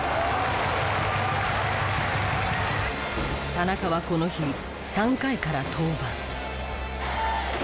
田中はこの日３回から登板。